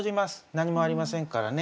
何もありませんからね。